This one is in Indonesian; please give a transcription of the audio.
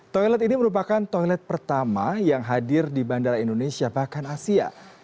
toilet ini merupakan toilet pertama yang hadir di bandara indonesia bahkan asia